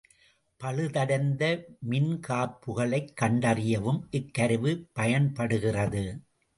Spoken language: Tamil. பழுதடைந்த மின்காப்புகளைக் கண்டறியவும் இக்கருவி பயன்படுகிறது.